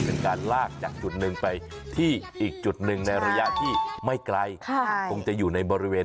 ต้องงั้นกันหน่อยก็ดูบรรทุกมาเสียเยอะเลย